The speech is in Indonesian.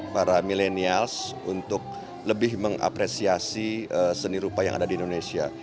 para milenials untuk lebih mengapresiasi seni rupa yang ada di indonesia